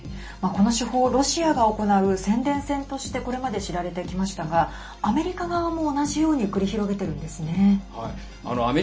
この手法、ロシアが行う宣伝戦としてこれまで知られてきましたがアメリカ側も同じように繰り広げてるんですね。